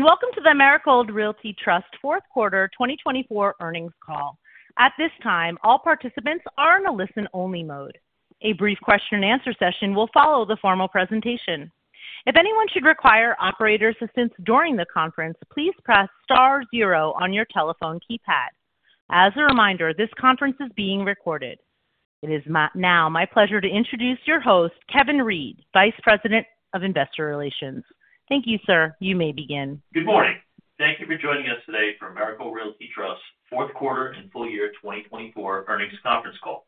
Welcome to the Americold Realty Trust Fourth Quarter 2024 Earnings Call. At this time, all participants are in a listen-only mode. A brief question-and-answer session will follow the formal presentation. If anyone should require operator assistance during the conference, please press star zero on your telephone keypad. As a reminder, this conference is being recorded. It is now my pleasure to introduce your host, Kevin Reed, Vice President of Investor Relations. Thank you, sir. You may begin. Good morning. Thank you for joining us today for Americold Realty Trust Fourth Quarter and Full Year 2024 Earnings Conference Call.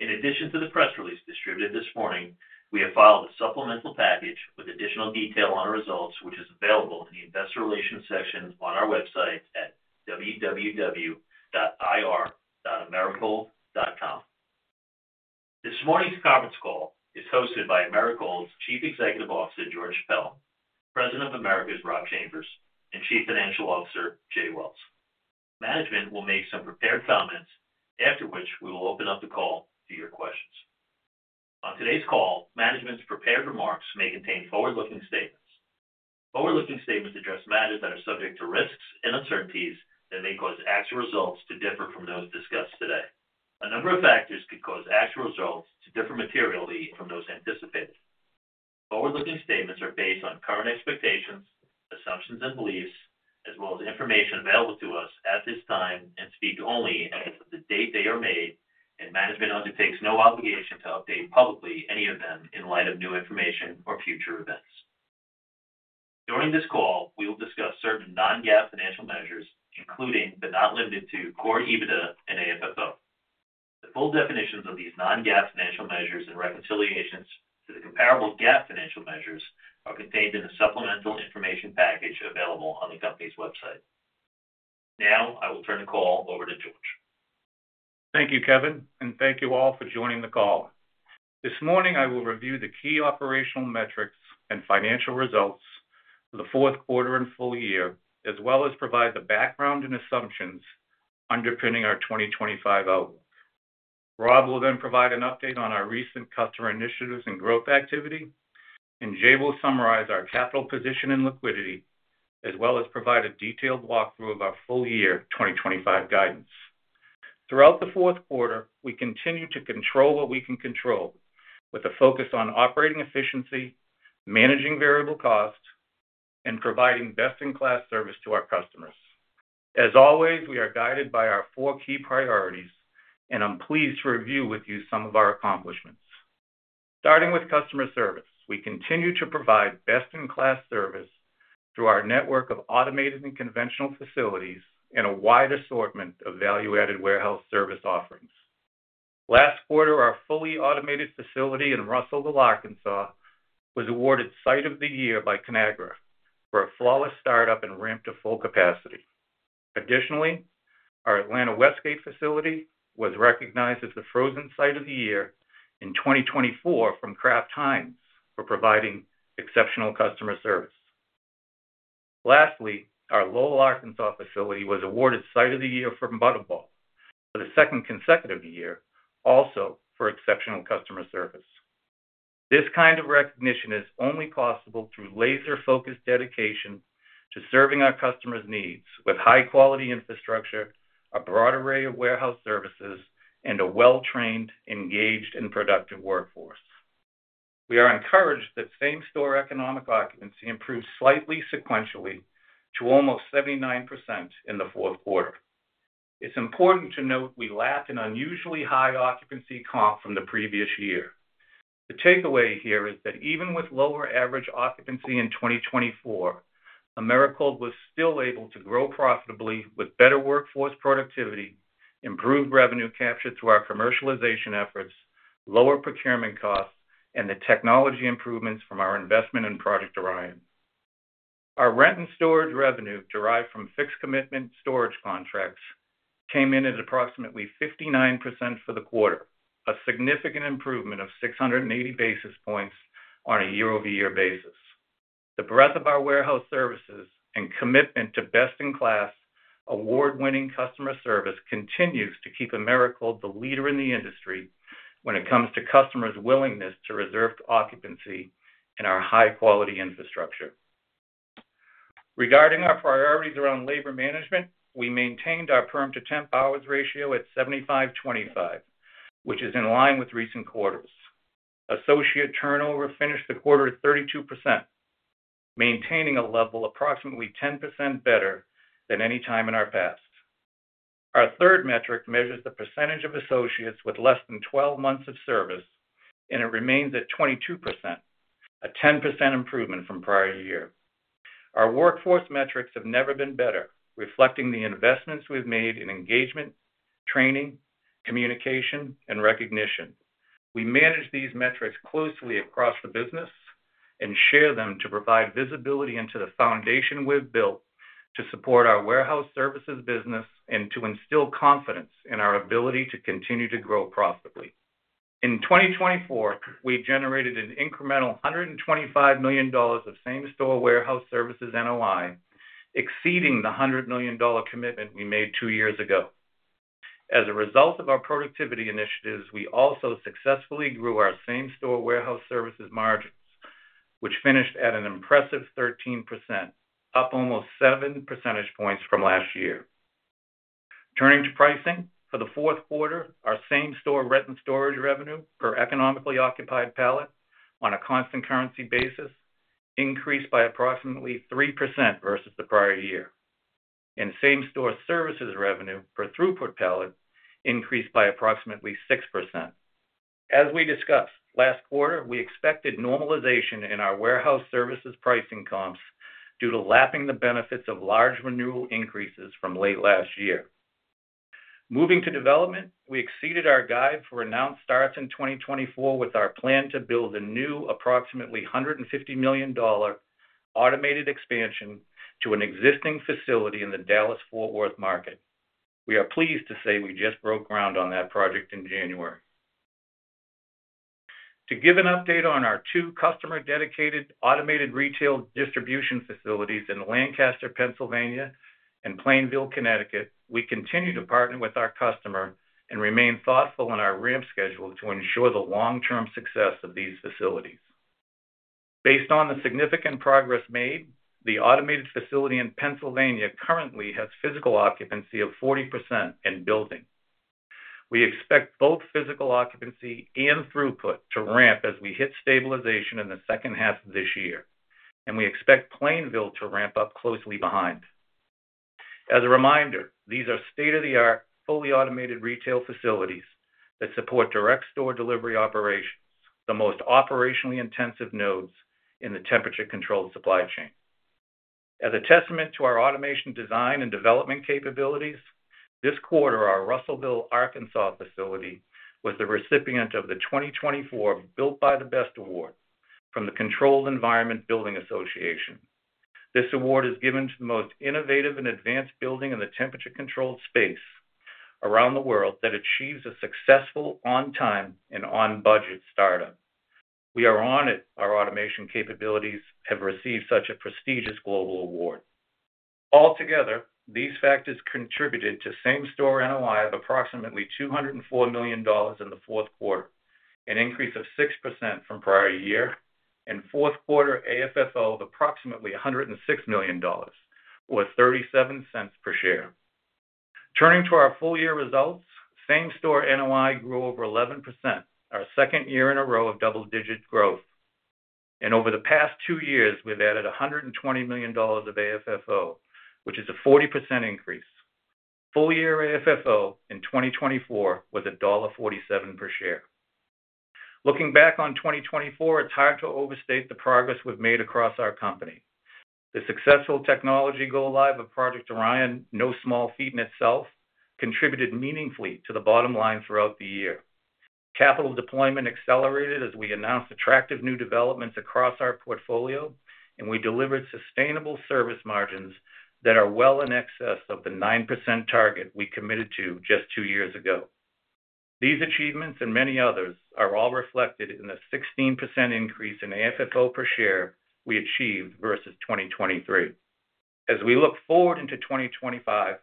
In addition to the press release distributed this morning, we have filed a supplemental package with additional detail on our results, which is available in the Investor Relations section on our website at www.ir.americold.com. This morning's conference call is hosted by Americold's Chief Executive Officer, George Chappelle, Americold's President, Rob Chambers, and Chief Financial Officer, Jay Wells. Management will make some prepared comments, after which we will open up the call to your questions. On today's call, management's prepared remarks may contain forward-looking statements. Forward-looking statements address matters that are subject to risks and uncertainties that may cause actual results to differ from those discussed today. A number of factors could cause actual results to differ materially from those anticipated. Forward-looking statements are based on current expectations, assumptions, and beliefs, as well as information available to us at this time and speak only as of the date they are made, and management undertakes no obligation to update publicly any of them in light of new information or future events. During this call, we will discuss certain non-GAAP financial measures, including but not limited to Core EBITDA and AFFO. The full definitions of these non-GAAP financial measures and reconciliations to the comparable GAAP financial measures are contained in the supplemental information package available on the company's website. Now, I will turn the call over to George. Thank you, Kevin, and thank you all for joining the call. This morning, I will review the key operational metrics and financial results for the fourth quarter and full year, as well as provide the background and assumptions underpinning our 2025 outlook. Rob will then provide an update on our recent customer initiatives and growth activity, and Jay will summarize our capital position and liquidity, as well as provide a detailed walkthrough of our full-year 2025 guidance. Throughout the fourth quarter, we continue to control what we can control, with a focus on operating efficiency, managing variable costs, and providing best-in-class service to our customers. As always, we are guided by our four key priorities, and I'm pleased to review with you some of our accomplishments. Starting with customer service, we continue to provide best-in-class service through our network of automated and conventional facilities and a wide assortment of value-added warehouse service offerings. Last quarter, our fully automated facility in Russellville, Arkansas, was awarded Site of the Year by Conagra for a flawless startup and ramped to full capacity. Additionally, our Atlanta Westgate facility was recognized as the Frozen Site of the Year in 2024 from Kraft Heinz for providing exceptional customer service. Lastly, our Lowell, Arkansas, facility was awarded Site of the Year from Butterball for the second consecutive year, also for exceptional customer service. This kind of recognition is only possible through laser-focused dedication to serving our customers' needs with high-quality infrastructure, a broad array of warehouse services, and a well-trained, engaged, and productive workforce. We are encouraged that same-store economic occupancy improved slightly sequentially to almost 79% in the fourth quarter. It's important to note we lack an unusually high occupancy comp from the previous year. The takeaway here is that even with lower average occupancy in 2024, Americold was still able to grow profitably with better workforce productivity, improved revenue capture through our commercialization efforts, lower procurement costs, and the technology improvements from our investment in Project Orion. Our rent and storage revenue derived from fixed-commitment storage contracts came in at approximately 59% for the quarter, a significant improvement of 680 basis points on a year-over-year basis. The breadth of our warehouse services and commitment to best-in-class award-winning customer service continues to keep Americold the leader in the industry when it comes to customers' willingness to reserve occupancy in our high-quality infrastructure. Regarding our priorities around labor management, we maintained our permanent-to-temp hours ratio at 75-25, which is in line with recent quarters. Associate turnover finished the quarter at 32%, maintaining a level approximately 10% better than any time in our past. Our third metric measures the percentage of associates with less than 12 months of service, and it remains at 22%, a 10% improvement from prior year. Our workforce metrics have never been better, reflecting the investments we've made in engagement, training, communication, and recognition. We manage these metrics closely across the business and share them to provide visibility into the foundation we've built to support our warehouse services business and to instill confidence in our ability to continue to grow profitably. In 2024, we generated an incremental $125 million of same-store warehouse services NOI, exceeding the $100 million commitment we made two years ago. As a result of our productivity initiatives, we also successfully grew our same-store warehouse services margins, which finished at an impressive 13%, up almost 7 percentage points from last year. Turning to pricing, for the fourth quarter, our same-store rent and storage revenue per economically occupied pallet on a constant currency basis increased by approximately 3% versus the prior year, and same-store services revenue per throughput pallet increased by approximately 6%. As we discussed, last quarter, we expected normalization in our warehouse services pricing comps due to lapping the benefits of large renewal increases from late last year. Moving to development, we exceeded our guide for announced starts in 2024 with our plan to build a new approximately $150 million automated expansion to an existing facility in the Dallas-Fort Worth market. We are pleased to say we just broke ground on that project in January. To give an update on our two customer-dedicated automated retail distribution facilities in Lancaster, Pennsylvania, and Plainville, Connecticut, we continue to partner with our customer and remain thoughtful in our ramp schedule to ensure the long-term success of these facilities. Based on the significant progress made, the automated facility in Pennsylvania currently has physical occupancy of 40% in building. We expect both physical occupancy and throughput to ramp as we hit stabilization in the second half of this year, and we expect Plainville to ramp up closely behind. As a reminder, these are state-of-the-art, fully automated retail facilities that support direct store delivery operations, the most operationally intensive nodes in the temperature-controlled supply chain. As a testament to our automation design and development capabilities, this quarter, our Russellville, Arkansas, facility was the recipient of the 2024 Built by the Best Award from the Controlled Environment Building Association. This award is given to the most innovative and advanced building in the temperature-controlled space around the world that achieves a successful, on-time and on-budget startup. We are honored our automation capabilities have received such a prestigious global award. Altogether, these factors contributed to same-store NOI of approximately $204 million in the fourth quarter, an increase of 6% from prior year, and fourth quarter AFFO of approximately $106 million, or $0.37 per share. Turning to our full-year results, same-store NOI grew over 11%, our second year in a row of double-digit growth and over the past two years, we've added $120 million of AFFO, which is a 40% increase. Full-year AFFO in 2024 was $1.47 per share. Looking back on 2024, it's hard to overstate the progress we've made acrossour company. The successful technology go-live of Project Orion, no small feat in itself, contributed meaningfully to the bottom line throughout the year. Capital deployment accelerated as we announced attractive new developments across our portfolio, and we delivered sustainable service margins that are well in excess of the 9% target we committed to just two years ago. These achievements and many others are all reflected in the 16% increase in AFFO per share we achieved versus 2023. As we look forward into 2025,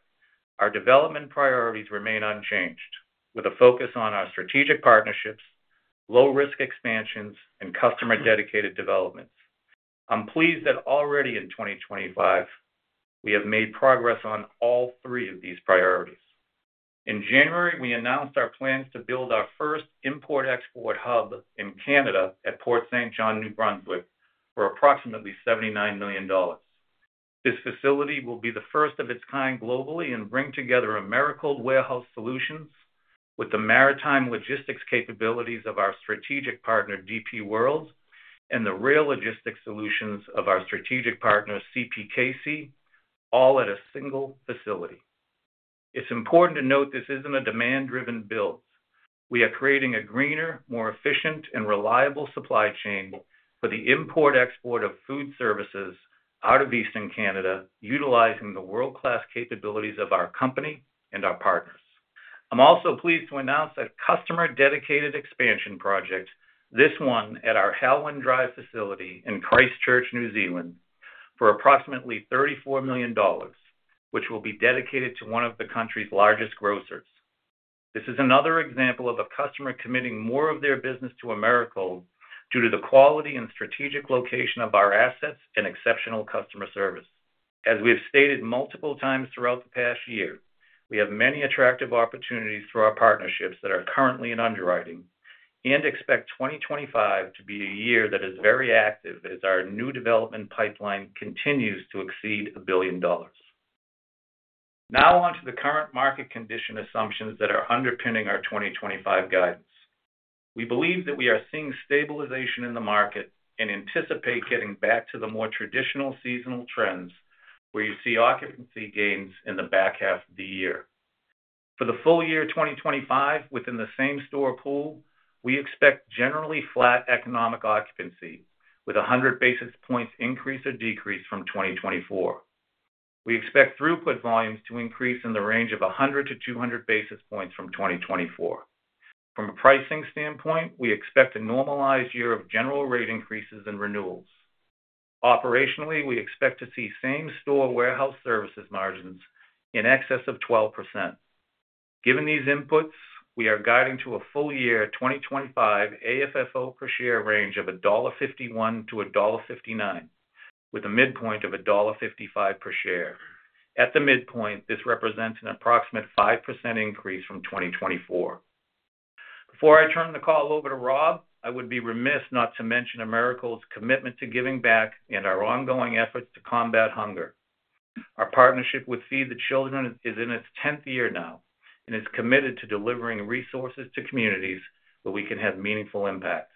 our development priorities remain unchanged, with a focus on our strategic partnerships, low-risk expansions, and customer-dedicated developments. I'm pleased that already in 2025, we have made progress on all three of these priorities. In January, we announced our plans to build our first import-export hub in Canada at Port Saint John, New Brunswick, for approximately $79 million. This facility will be the first of its kind globally and bring together Americold warehouse solutions with the maritime logistics capabilities of our strategic partner, DP World, and the rail logistics solutions of our strategic partner, CPKC, all at a single facility. It's important to note this isn't a demand-driven build. We are creating a greener, more efficient, and reliable supply chain for the import-export of food services out of Eastern Canada, utilizing the world-class capabilities of our company and our partners. I'm also pleased to announce a customer-dedicated expansion project, this one at our Halwyn Drive facility in Christchurch, New Zealand, for approximately $34 million, which will be dedicated to one of the country's largest grocers. This is another example of a customer committing more of their business to Americold due to the quality and strategic location of our assets and exceptional customer service. As we have stated multiple times throughout the past year, we have many attractive opportunities through our partnerships that are currently in underwriting and expect 2025 to be a year that is very active as our new development pipeline continues to exceed $1 billion. Now, on to the current market condition assumptions that are underpinning our 2025 guidance. We believe that we are seeing stabilization in the market and anticipate getting back to the more traditional seasonal trends where you see occupancy gains in the back half of the year. For the full year 2025, within the same-store pool, we expect generally flat economic occupancy with 100 basis points increase or decrease from 2024. We expect throughput volumes to increase in the range of 100 to 200 basis points from 2024. From a pricing standpoint, we expect a normalized year of general rate increases and renewals. Operationally, we expect to see same-store warehouse services margins in excess of 12%. Given these inputs, we are guiding to a full-year 2025 AFFO per share range of $1.51-$1.59, with a midpoint of $1.55 per share. At the midpoint, this represents an approximate 5% increase from 2024. Before I turn the call over to Rob, I would be remiss not to mention Americold's commitment to giving back and our ongoing efforts to combat hunger. Our partnership with Feed the Children is in its 10th year now and is committed to delivering resources to communities where we can have meaningful impact.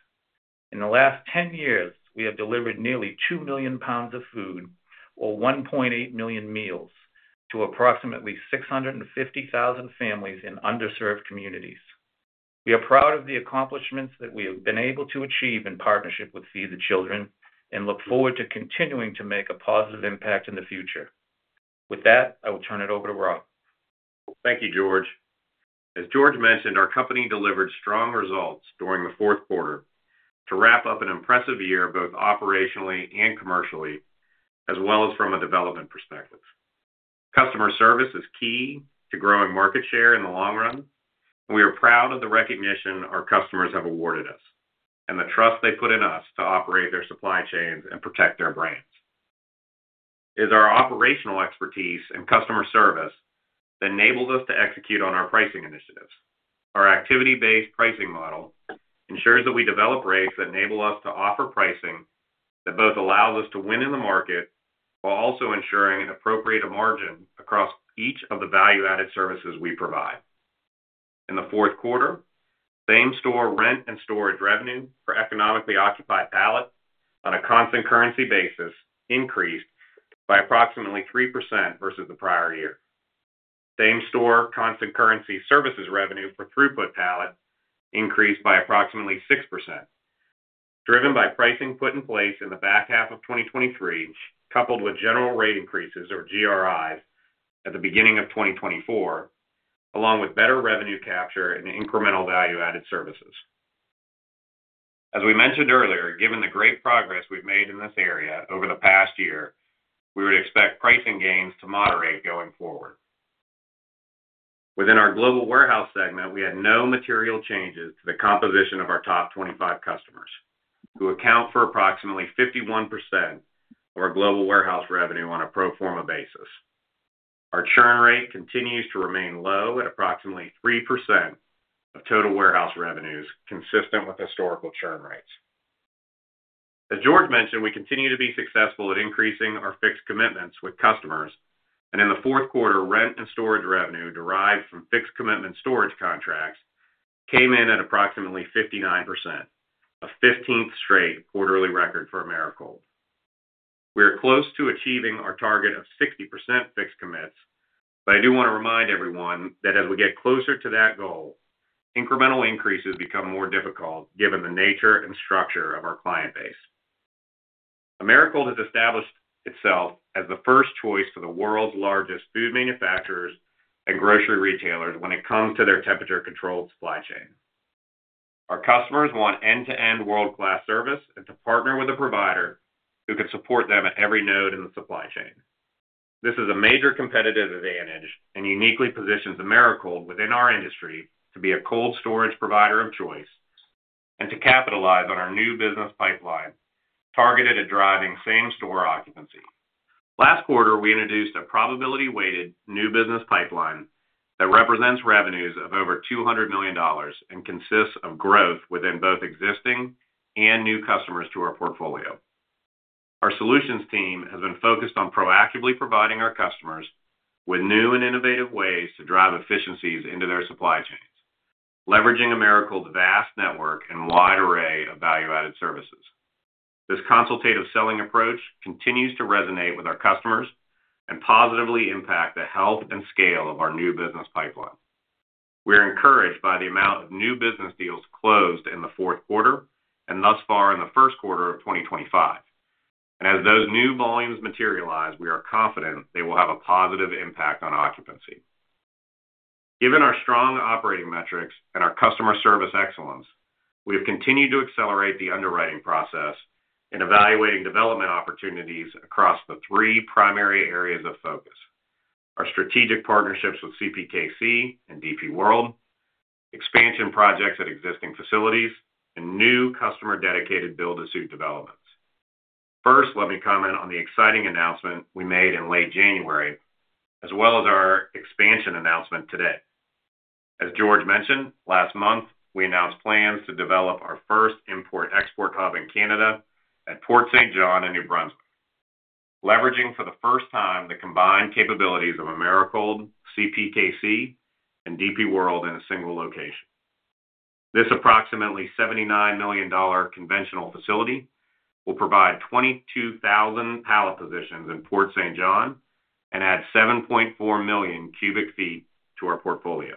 In the last 10 years, we have delivered nearly 2 million pounds of food or 1.8 million meals to approximately 650,000 families in underserved communities. We are proud of the accomplishments that we have been able to achieve in partnership with Feed the Children and look forward to continuing to make a positive impact in the future. With that, I will turn it over to Rob. Thank you, George. As George mentioned, our company delivered strong results during the fourth quarter to wrap up an impressive year both operationally and commercially, as well as from a development perspective. Customer service is key to growing market share in the long run, and we are proud of the recognition our customers have awarded us and the trust they put in us to operate their supply chains and protect their brands. It is our operational expertise and customer service that enables us to execute on our pricing initiatives. Our activity-based pricing model ensures that we develop rates that enable us to offer pricing that both allows us to win in the market while also ensuring an appropriate margin across each of the value-added services we provide. In the fourth quarter, same-store rent and storage revenue for economically occupied pallets on a constant currency basis increased by approximately 3% versus the prior year. Same-store constant currency services revenue for throughput pallets increased by approximately 6%, driven by pricing put in place in the back half of 2023, coupled with general rate increases, or GRIs, at the beginning of 2024, along with better revenue capture and incremental value-added services. As we mentioned earlier, given the great progress we've made in this area over the past year, we would expect pricing gains to moderate going forward. Within our Global Warehouse segment, we had no material changes to the composition of our top 25 customers, who account for approximately 51% of our global warehouse revenue on a pro forma basis. Our churn rate continues to remain low at approximately 3% of total warehouse revenues, consistent with historical churn rates. As George mentioned, we continue to be successful at increasing our fixed commitments with customers, and in the fourth quarter, rent and storage revenue derived from fixed commitment storage contracts came in at approximately 59%, a 15th straight quarterly record for Americold. We are close to achieving our target of 60% fixed commits, but I do want to remind everyone that as we get closer to that goal, incremental increases become more difficult given the nature and structure of our client base. Americold has established itself as the first choice for the world's largest food manufacturers and grocery retailers when it comes to their temperature-controlled supply chain. Our customers want end-to-end world-class service and to partner with a provider who can support them at every node in the supply chain. This is a major competitive advantage and uniquely positions Americold within our industry to be a cold storage provider of choice and to capitalize on our new business pipeline targeted at driving same-store occupancy. Last quarter, we introduced a probability-weighted new business pipeline that represents revenues of over $200 million and consists of growth within both existing and new customers to our portfolio. Our solutions team has been focused on proactively providing our customers with new and innovative ways to drive efficiencies into their supply chains, leveraging Americold's vast network and wide array of value-added services. This consultative selling approach continues to resonate with our customers and positively impact the health and scale of our new business pipeline. We are encouraged by the amount of new business deals closed in the fourth quarter and thus far in the first quarter of 2025, and as those new volumes materialize, we are confident they will have a positive impact on occupancy. Given our strong operating metrics and our customer service excellence, we have continued to accelerate the underwriting process and evaluating development opportunities across the three primary areas of focus: our strategic partnerships with CPKC and DP World, expansion projects at existing facilities, and new customer-dedicated build-to-suit developments. First, let me comment on the exciting announcement we made in late January, as well as our expansion announcement today. As George mentioned, last month, we announced plans to develop our first import-export hub in Canada at Port Saint John in New Brunswick, leveraging for the first time the combined capabilities of Americold, CPKC, and DP World in a single location. This approximately $79 million conventional facility will provide 22,000 pallet positions in Port Saint John and add 7.4 million cubic feet to our portfolio.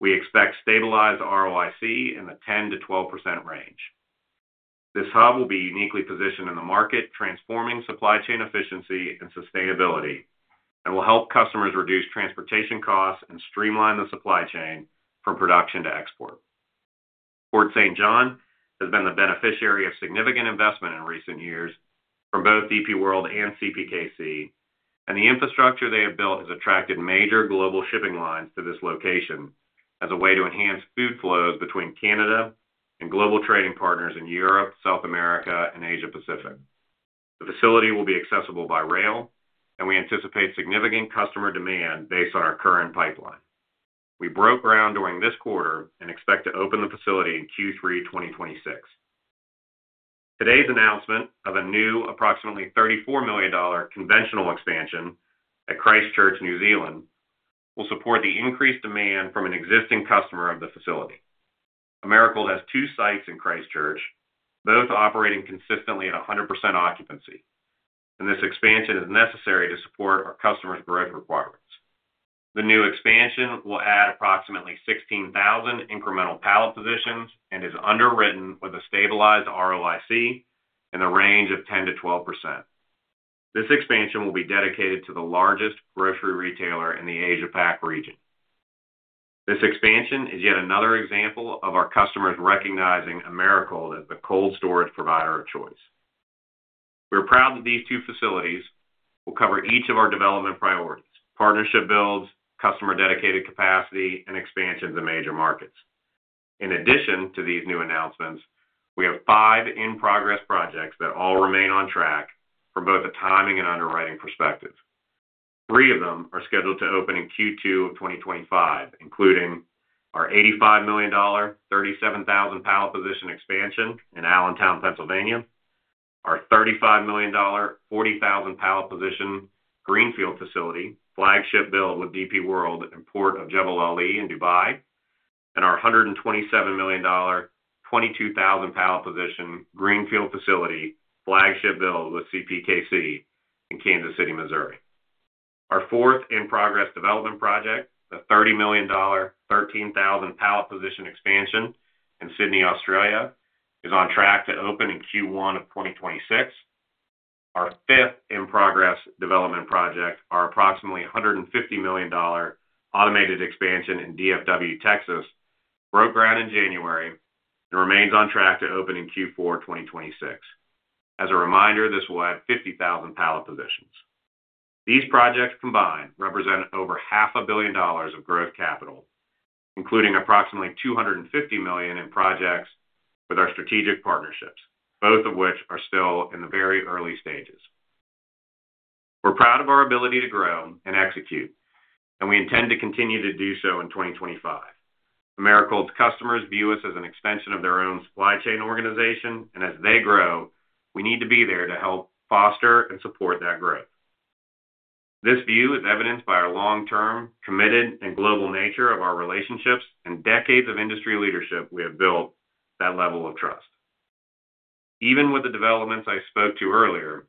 We expect stabilized ROIC in the 10%-12% range. This hub will be uniquely positioned in the market, transforming supply chain efficiency and sustainability, and will help customers reduce transportation costs and streamline the supply chain from production to export. Port Saint John has been the beneficiary of significant investment in recent years from both DP World and CPKC, and the infrastructure they have built has attracted major global shipping lines to this location as a way to enhance food flows between Canada and global trading partners in Europe, South America, and Asia-Pacific. The facility will be accessible by rail, and we anticipate significant customer demand based on our current pipeline. We broke ground during this quarter and expect to open the facility in Q3 2026. Today's announcement of a new approximately $34 million conventional expansion at Christchurch, New Zealand, will support the increased demand from an existing customer of the facility. Americold has two sites in Christchurch, both operating consistently at 100% occupancy, and this expansion is necessary to support our customers' growth requirements. The new expansion will add approximately 16,000 incremental pallet positions and is underwritten with a stabilized ROIC in the range of 10%-12%. This expansion will be dedicated to the largest grocery retailer in the Asia-Pac region. This expansion is yet another example of our customers recognizing Americold as the cold storage provider of choice. We are proud that these two facilities will cover each of our development priorities: partnership builds, customer-dedicated capacity, and expansions in major markets. In addition to these new announcements, we have five in-progress projects that all remain on track from both a timing and underwriting perspective. Three of them are scheduled to open in Q2 of 2025, including our $85 million, 37,000 pallet position expansion in Allentown, Pennsylvania, our $35 million, 40,000 pallet position greenfield facility flagship build with DP World in Port of Jebel Ali in Dubai, and our $127 million, 22,000 pallet position greenfield facility flagship build with CPKC in Kansas City, Missouri. Our fourth in-progress development project, the $30 million, 13,000 pallet position expansion in Sydney, Australia, is on track to open in Q1 of 2026. Our fifth in-progress development project, our approximately $150 million automated expansion in DFW, Texas, broke ground in January and remains on track to open in Q4 2026. As a reminder, this will add 50,000 pallet positions. These projects combined represent over $500 million of growth capital, including approximately $250 million in projects with our strategic partnerships, both of which are still in the very early stages. We're proud of our ability to grow and execute, and we intend to continue to do so in 2025. Americold's customers view us as an extension of their own supply chain organization, and as they grow, we need to be there to help foster and support that growth. This view is evidenced by our long-term, committed, and global nature of our relationships and decades of industry leadership. We have built that level of trust. Even with the developments I spoke to earlier,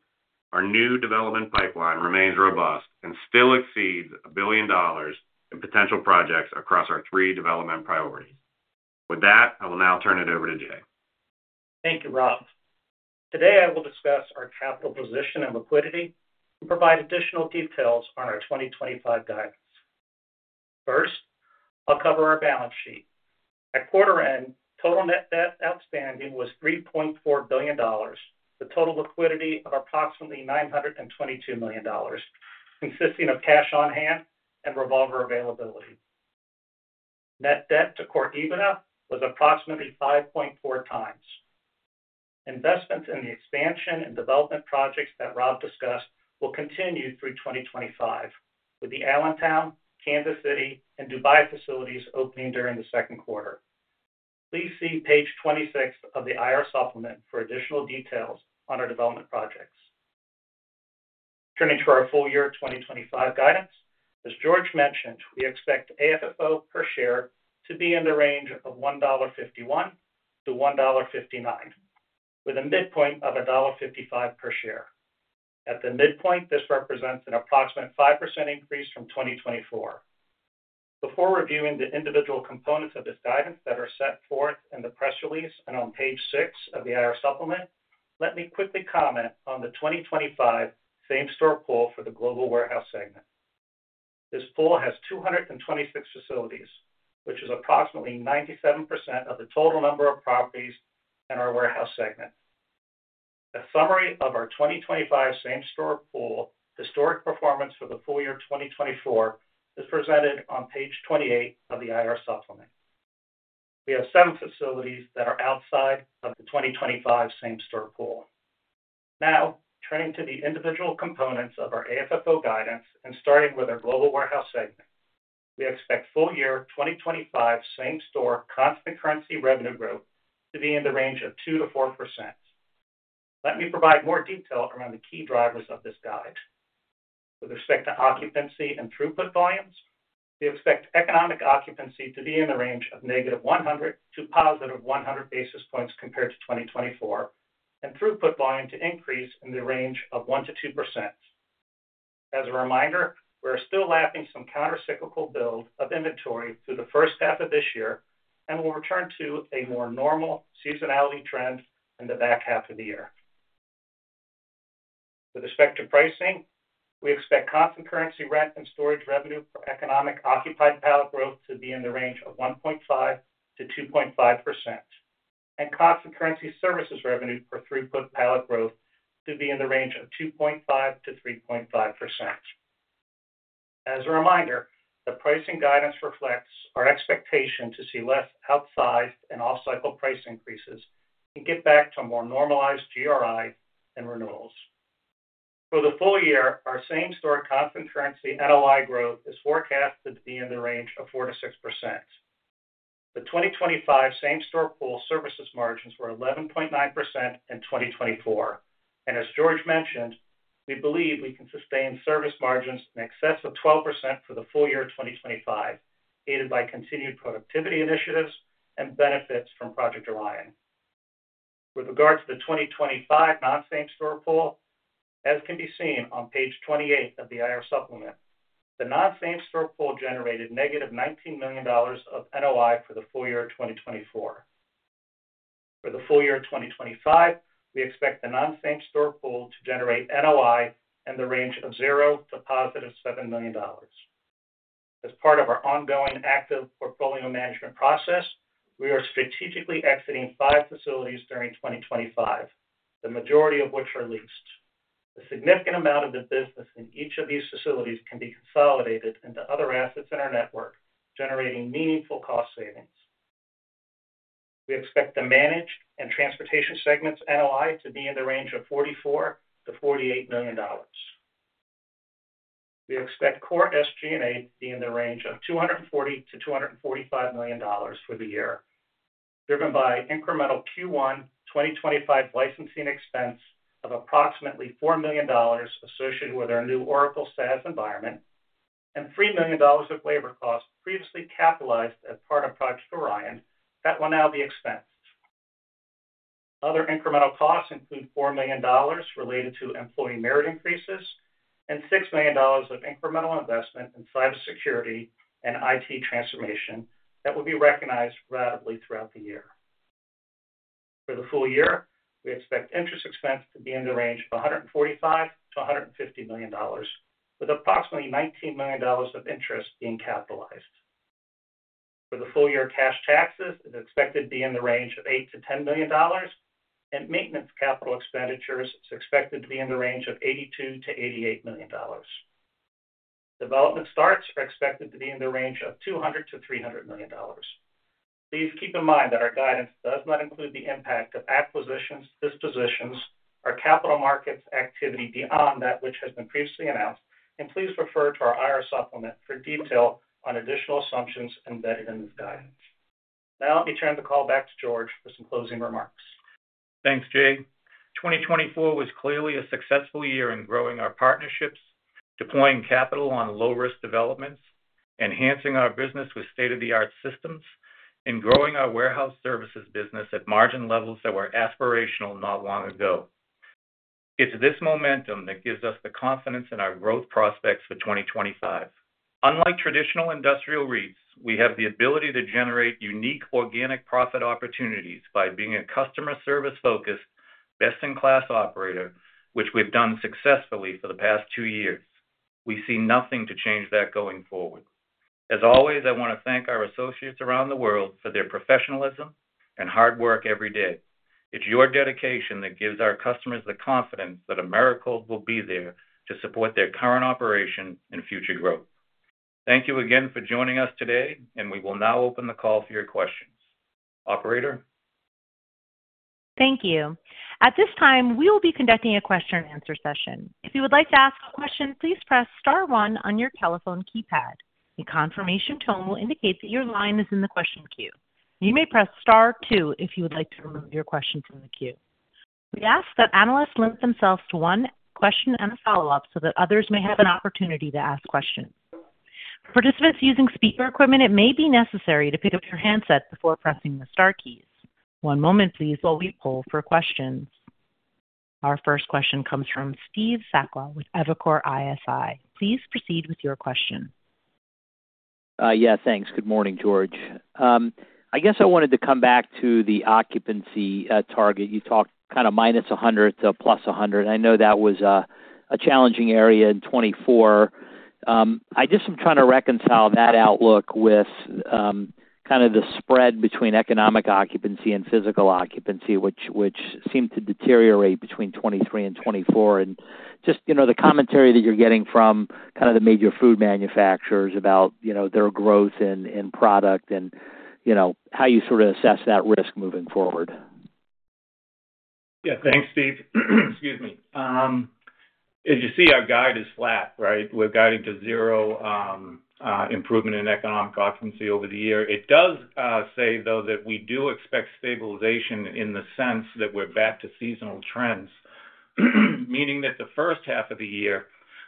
our new development pipeline remains robust and still exceeds $1 billion in potential projects across our three development priorities. With that, I will now turn it over to Jay. Thank you, Rob. Today, I will discuss our capital position and liquidity and provide additional details on our 2025 guidance. First, I'll cover our balance sheet. At quarter end, total net debt outstanding was $3.4 billion, the total liquidity of approximately $922 million, consisting of cash on hand and revolver availability. Net debt to Core EBITDA was approximately 5.4 times. Investments in the expansion and development projects that Rob discussed will continue through 2025, with the Allentown, Kansas City, and Dubai facilities opening during the second quarter. Please see page 26 of the IR Supplement for additional details on our development projects. Turning to our full-year 2025 guidance, as George mentioned, we expect AFFO per share to be in the range of $1.51-$1.59, with a midpoint of $1.55 per share. At the midpoint, this represents an approximate 5% increase from 2024. Before reviewing the individual components of this guidance that are set forth in the press release and on page six of the IR Supplement, let me quickly comment on the 2025 same-store pool for the Global Warehouse segment. This pool has 226 facilities, which is approximately 97% of the total number of properties in our warehouse segment. A summary of our 2025 same-store pool historic performance for the full year 2024 is presented on page 28 of the IR Supplement. We have seven facilities that are outside of the 2025 same-store pool. Now, turning to the individual components of our AFFO guidance and starting with our Global Warehouse segment, we expect full-year 2025 same-store constant currency revenue growth to be in the range of 2%-4%. Let me provide more detail around the key drivers of this guide. With respect to occupancy and throughput volumes, we expect economic occupancy to be in the range of -100 to +100 basis points compared to 2024, and throughput volume to increase in the range of 1%-2%. As a reminder, we're still lapping some countercyclical build of inventory through the first half of this year and will return to a more normal seasonality trend in the back half of the year. With respect to pricing, we expect constant currency rent and storage revenue for economic occupancy pallet growth to be in the range of 1.5%-2.5%, and constant currency services revenue for throughput pallet growth to be in the range of 2.5%-3.5%. As a reminder, the pricing guidance reflects our expectation to see less outsized and off-cycle price increases and get back to more normalized GRIs and renewals. For the full year, our same-store constant currency NOI growth is forecasted to be in the range of 4%-6%. The 2024 same-store warehouse services margins were 11.9% in 2024, and as George mentioned, we believe we can sustain service margins in excess of 12% for the full year 2025, aided by continued productivity initiatives and benefits from Project Orion. With regards to the 2025 non-same-store pool, as can be seen on page 28 of the IR Supplement, the non-same-store pool generated -$19 million of NOI for the full year 2024. For the full year 2025, we expect the non-same-store pool to generate NOI in the range of $0 to +$7 million. As part of our ongoing active portfolio management process, we are strategically exiting five facilities during 2025, the majority of which are leased. A significant amount of the business in each of these facilities can be consolidated into other assets in our network, generating meaningful cost savings. We expect the Managed and Transportation segments NOI to be in the range of $44 million-$48 million. We expect Core SG&A to be in the range of $240 million-$245 million for the year, driven by incremental Q1 2025 licensing expense of approximately $4 million associated with our new Oracle SaaS environment and $3 million of labor costs previously capitalized as part of Project Orion that will now be expensed. Other incremental costs include $4 million related to employee merit increases and $6 million of incremental investment in cybersecurity and IT transformation that will be recognized ratably throughout the year. For the full year, we expect interest expense to be in the range of $145 million-$150 million, with approximately $19 million of interest being capitalized. For the full year, cash taxes are expected to be in the range of $8 million-$10 million, and maintenance capital expenditures are expected to be in the range of $82 million-$88 million. Development starts are expected to be in the range of $200 million-$300 million. Please keep in mind that our guidance does not include the impact of acquisitions, dispositions, or capital markets activity beyond that which has been previously announced, and please refer to our IR Supplement for detail on additional assumptions embedded in this guidance. Now, let me turn the call back to George for some closing remarks. Thanks, Jay. 2024 was clearly a successful year in growing our partnerships, deploying capital on low-risk developments, enhancing our business with state-of-the-art systems, and growing our warehouse services business at margin levels that were aspirational not long ago. It's this momentum that gives us the confidence in our growth prospects for 2025. Unlike traditional industrial REITs, we have the ability to generate unique organic profit opportunities by being a customer service-focused, best-in-class operator, which we've done successfully for the past two years. We see nothing to change that going forward. As always, I want to thank our associates around the world for their professionalism and hard work every day. It's your dedication that gives our customers the confidence that Americold will be there to support their current operation and future growth. Thank you again for joining us today, and we will now open the call for your questions. Operator? Thank you. At this time, we will be conducting a question-and-answer session. If you would like to ask a question, please press star one on your telephone keypad. A confirmation tone will indicate that your line is in the question queue. You may press star two if you would like to remove your question from the queue. We ask that analysts limit themselves to one question and a follow-up so that others may have an opportunity to ask questions. For participants using speaker equipment, it may be necessary to pick up your handset before pressing the star keys. One moment, please, while we pull for questions. Our first question comes from Steve Sakwa with Evercore ISI. Please proceed with your question. Yeah, thanks. Good morning, George. I guess I wanted to come back to the occupancy target. You talked kind of -100 to +100. I know that was a challenging area in 2024. I guess I'm trying to reconcile that outlook with kind of the spread between economic occupancy and physical occupancy, which seemed to deteriorate between 2023 and 2024. Just the commentary that you're getting from kind of the major food manufacturers about their growth in product and how you sort of assess that risk moving forward. Yeah, thanks, Steve. Excuse me. As you see, our guide is flat, right? We're guiding to zero improvement in economic occupancy over the year. It does say, though, that we do expect stabilization in the sense that we're back to seasonal trends, meaning that the first half of the year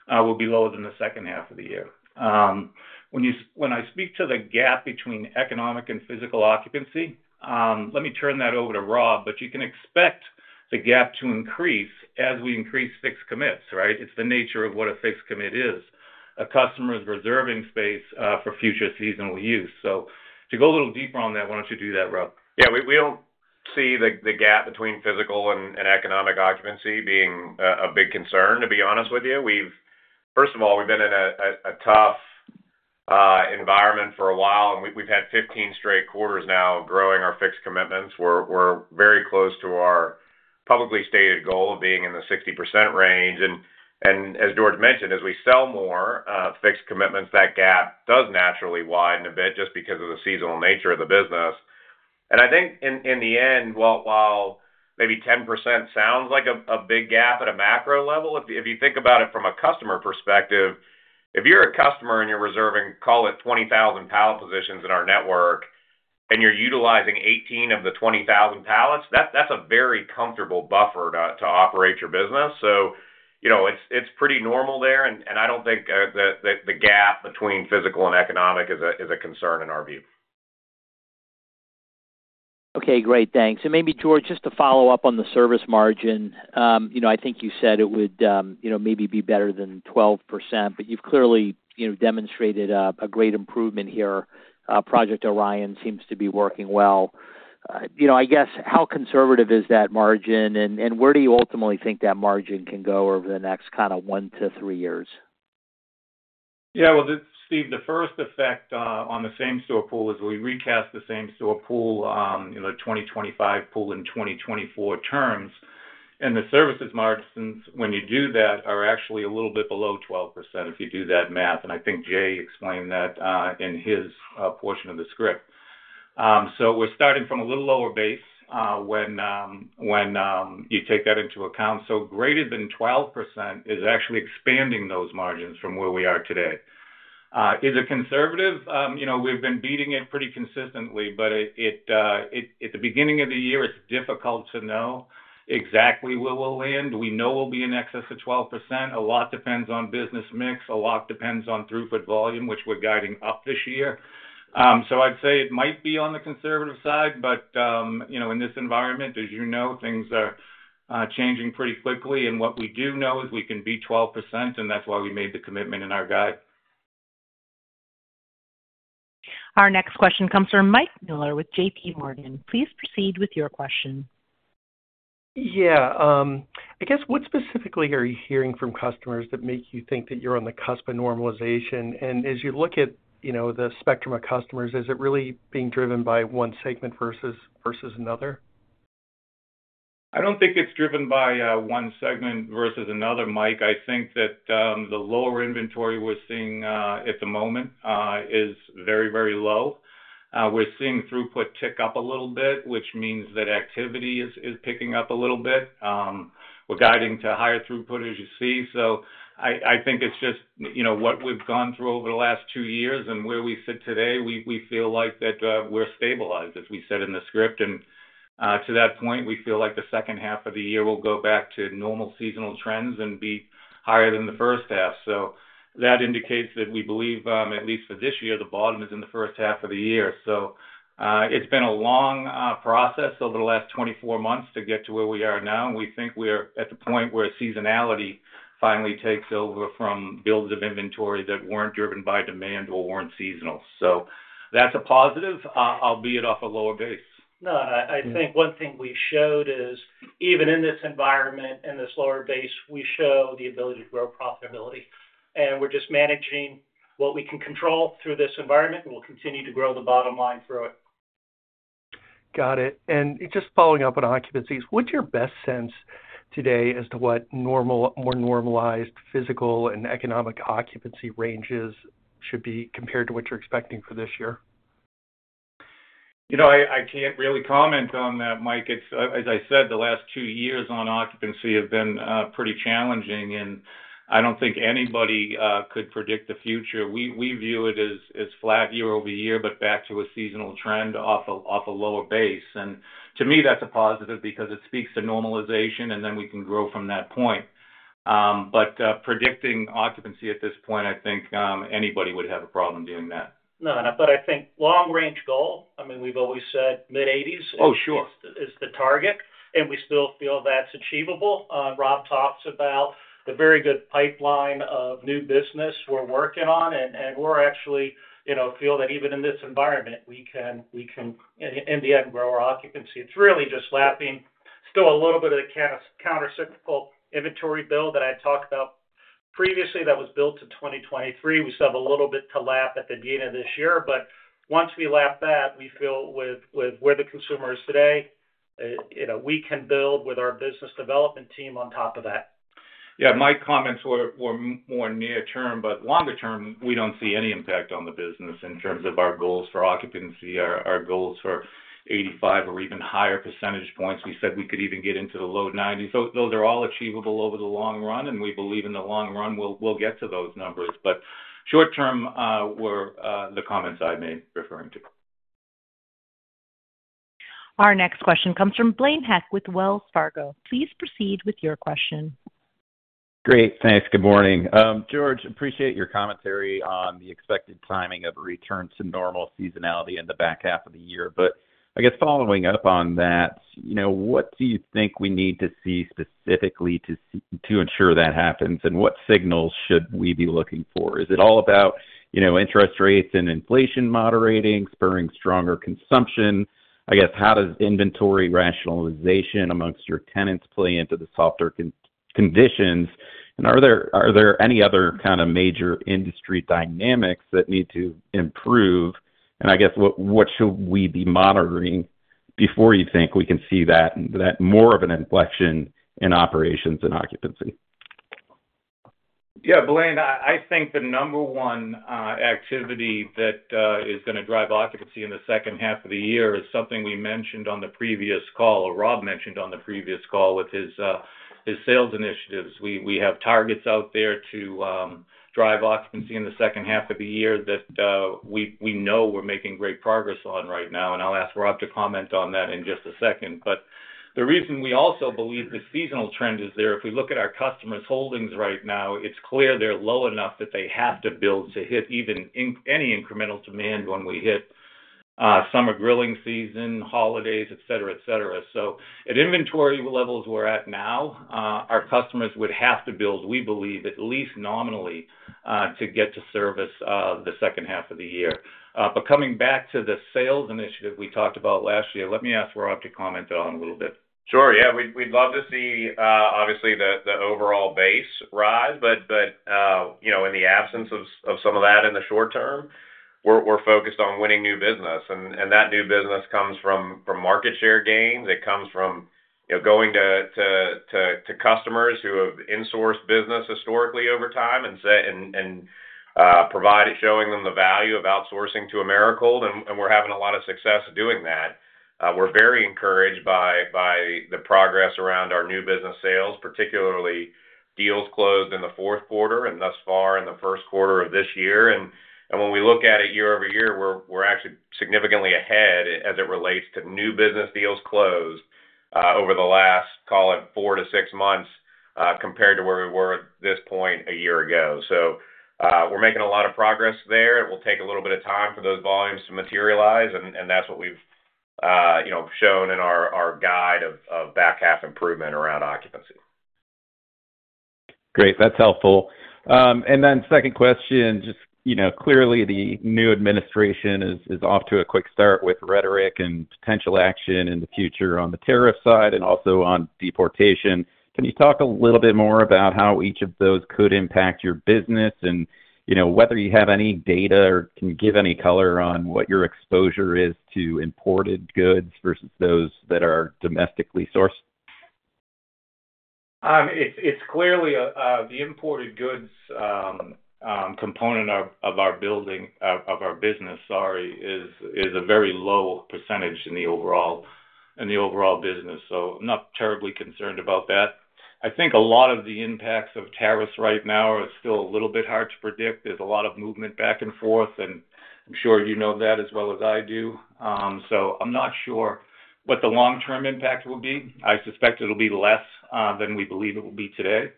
will be lower than the second half of the year. When I speak to the gap between economic and physical occupancy, let me turn that over to Rob, but you can expect the gap to increase as we increase fixed commits, right? It's the nature of what a fixed commit is. A customer's reserving space for future seasonal use. So to go a little deeper on that, why don't you do that, Rob? Yeah, we don't see the gap between physical and economic occupancy being a big concern, to be honest with you. First of all, we've been in a tough environment for a while, and we've had 15 straight quarters now growing our fixed commitments. We're very close to our publicly stated goal of being in the 60% range. And as George mentioned, as we sell more fixed commitments, that gap does naturally widen a bit just because of the seasonal nature of the business. I think in the end, while maybe 10% sounds like a big gap at a macro level, if you think about it from a customer perspective, if you're a customer and you're reserving, call it, 20,000 pallet positions in our network and you're utilizing 18 of the 20,000 pallets, that's a very comfortable buffer to operate your business. So it's pretty normal there, and I don't think that the gap between physical and economic is a concern in our view. Okay, great. Thanks. And maybe, George, just to follow up on the service margin, I think you said it would maybe be better than 12%, but you've clearly demonstrated a great improvement here. Project Orion seems to be working well. I guess how conservative is that margin, and where do you ultimately think that margin can go over the next kind of one to three years? Yeah, well, Steve, the first effect on the same-store pool is we recast the same-store pool, the 2025 pool in 2024 terms, and the services margins, when you do that, are actually a little bit below 12% if you do that math. I think Jay explained that in his portion of the script, so we're starting from a little lower base when you take that into account, so greater than 12% is actually expanding those margins from where we are today. Is it conservative? We've been beating it pretty consistently, but at the beginning of the year, it's difficult to know exactly where we'll land. We know we'll be in excess of 12%. A lot depends on business mix. A lot depends on throughput volume, which we're guiding up this year. So I'd say it might be on the conservative side, but in this environment, as you know, things are changing pretty quickly. And what we do know is we can be 12%, and that's why we made the commitment in our guide. Our next question comes from Mike Mueller with JPMorgan. Please proceed with your question. Yeah. I guess what specifically are you hearing from customers that make you think that you're on the cusp of normalization? And as you look at the spectrum of customers, is it really being driven by one segment versus another? I don't think it's driven by one segment versus another, Mike. I think that the lower inventory we're seeing at the moment is very, very low. We're seeing throughput tick up a little bit, which means that activity is picking up a little bit. We're guiding to higher throughput, as you see. So I think it's just what we've gone through over the last two years and where we sit today. We feel like that we're stabilized, as we said in the script. And to that point, we feel like the second half of the year will go back to normal seasonal trends and be higher than the first half. So that indicates that we believe, at least for this year, the bottom is in the first half of the year. So it's been a long process over the last 24 months to get to where we are now. And we think we're at the point where seasonality finally takes over from builds of inventory that weren't driven by demand or weren't seasonal. So that's a positive, albeit off a lower base. No, I think one thing we showed is even in this environment, in this lower base, we show the ability to grow profitability. And we're just managing what we can control through this environment, and we'll continue to grow the bottom line through it. Got it. And just following up on occupancies, what's your best sense today as to what more normalized physical and economic occupancy ranges should be compared to what you're expecting for this year? I can't really comment on that, Mike. As I said, the last two years on occupancy have been pretty challenging, and I don't think anybody could predict the future. We view it as flat year over year, but back to a seasonal trend off a lower base. And to me, that's a positive because it speaks to normalization, and then we can grow from that point. But predicting occupancy at this point, I think anybody would have a problem doing that. No, but I think long-range goal, I mean, we've always said mid-80s is the target, and we still feel that's achievable. Rob talks about the very good pipeline of new business we're working on, and we actually feel that even in this environment, we can, in the end, grow our occupancy. It's really just lapping still a little bit of the countercyclical inventory build that I talked about previously that was built to 2023. We still have a little bit to lap at the beginning of this year, but once we lap that, we feel with where the consumer is today, we can build with our business development team on top of that. Yeah, my comments were more near-term, but longer-term, we don't see any impact on the business in terms of our goals for occupancy, our goals for 85 or even higher percentage points. We said we could even get into the low 90s. Those are all achievable over the long run, and we believe in the long run, we'll get to those numbers. But short-term, the comments I made referring to. Our next question comes from Blaine Heck with Wells Fargo. Please proceed with your question. Great. Thanks. Good morning. George, appreciate your commentary on the expected timing of a return to normal seasonality in the back half of the year. But I guess following up on that, what do you think we need to see specifically to ensure that happens, and what signals should we be looking for? Is it all about interest rates and inflation moderating, spurring stronger consumption? I guess, how does inventory rationalization amongst your tenants play into the softer conditions? And are there any other kind of major industry dynamics that need to improve? And I guess, what should we be monitoring before you think we can see that more of an inflection in operations and occupancy? Yeah, Blaine, I think the number one activity that is going to drive occupancy in the second half of the year is something we mentioned on the previous call, or Rob mentioned on the previous call with his sales initiatives. We have targets out there to drive occupancy in the second half of the year that we know we're making great progress on right now. And I'll ask Rob to comment on that in just a second. But the reason we also believe the seasonal trend is there, if we look at our customers' holdings right now, it's clear they're low enough that they have to build to hit even any incremental demand when we hit summer grilling season, holidays, etc., etc. So at inventory levels we're at now, our customers would have to build, we believe, at least nominally, to get to service the second half of the year. But coming back to the sales initiative we talked about last year, let me ask Rob to comment on a little bit. Sure. Yeah, we'd love to see, obviously, the overall base rise, but in the absence of some of that in the short term, we're focused on winning new business. And that new business comes from market share gains. It comes from going to customers who have insourced business historically over time and provided showing them the value of outsourcing to Americold. And we're having a lot of success doing that. We're very encouraged by the progress around our new business sales, particularly deals closed in the fourth quarter and thus far in the first quarter of this year. And when we look at it year over year, we're actually significantly ahead as it relates to new business deals closed over the last, call it, four to six months compared to where we were at this point a year ago. So we're making a lot of progress there. It will take a little bit of time for those volumes to materialize, and that's what we've shown in our guide of back half improvement around occupancy. Great. That's helpful. And then, second question, just clearly, the new administration is off to a quick start with rhetoric and potential action in the future on the tariff side and also on deportation. Can you talk a little bit more about how each of those could impact your business and whether you have any data or can give any color on what your exposure is to imported goods versus those that are domestically sourced? It's clearly the imported goods component of our building, of our business, sorry, is a very low percentage in the overall business. So I'm not terribly concerned about that. I think a lot of the impacts of tariffs right now are still a little bit hard to predict. There's a lot of movement back and forth, and I'm sure you know that as well as I do. So I'm not sure what the long-term impact will be. I suspect it'll be less than we believe it will be today.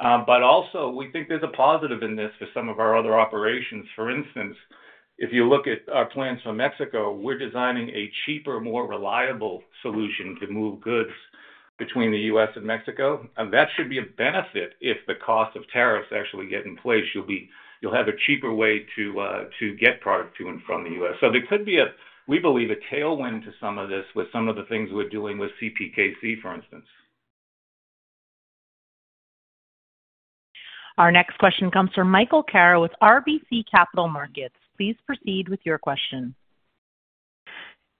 But also, we think there's a positive in this for some of our other operations. For instance, if you look at our plans for Mexico, we're designing a cheaper, more reliable solution to move goods between the U.S. and Mexico. And that should be a benefit if the cost of tariffs actually get in place. You'll have a cheaper way to get product to and from the U.S. So there could be, we believe, a tailwind to some of this with some of the things we're doing with CPKC, for instance. Our next question comes from Michael Carroll with RBC Capital Markets. Please proceed with your question.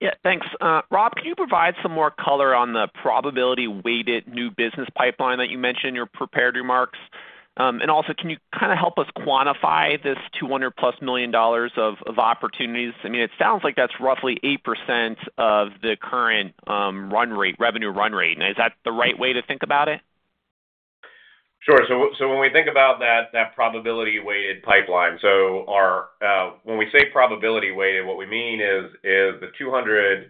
Yeah, thanks. Rob, can you provide some more color on the probability-weighted new business pipeline that you mentioned in your prepared remarks? And also, can you kind of help us quantify this $200 million-plus of opportunities? I mean, it sounds like that's roughly 8% of the current revenue run rate. Is that the right way to think about it? Sure. So when we think about that probability-weighted pipeline, so when we say probability-weighted, what we mean is the $200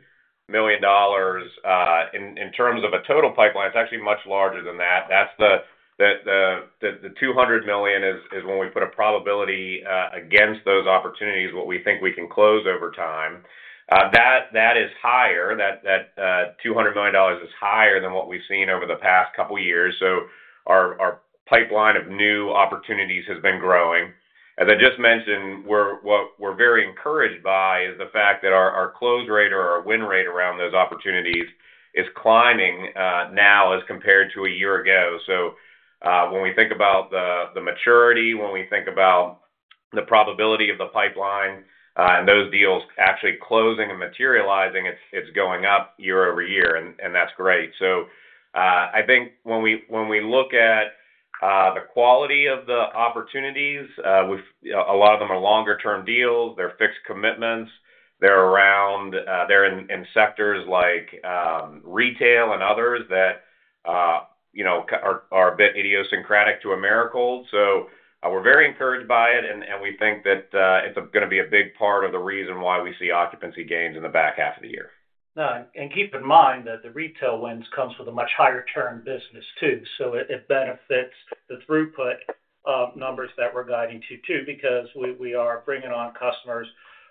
million in terms of a total pipeline, it's actually much larger than that. The $200 million is when we put a probability against those opportunities, what we think we can close over time. That is higher. That $200 million is higher than what we've seen over the past couple of years. So our pipeline of new opportunities has been growing. As I just mentioned, what we're very encouraged by is the fact that our close rate or our win rate around those opportunities is climbing now as compared to a year ago. So when we think about the maturity, when we think about the probability of the pipeline and those deals actually closing and materializing, it's going up year over year, and that's great. So I think when we look at the quality of the opportunities, a lot of them are longer-term deals. They're fixed commitments. They're in sectors like retail and others that are a bit idiosyncratic to Americold. So we're very encouraged by it, and we think that it's going to be a big part of the reason why we see occupancy gains in the back half of the year, And keep in mind that the retail wins come with a much higher-term business too. So it benefits the throughput numbers that we're guiding to too because we are bringing on customers